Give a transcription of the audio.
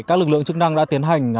các lực lượng chức năng đã tiến hành